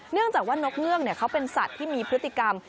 เนื่องจากว่านกเงือกเขาเป็นสัตว์ที่มีพฤติกรรม